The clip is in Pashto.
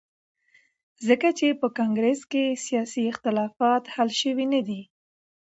ځکه چې په کانګرس کې سیاسي اختلافات حل شوي ندي.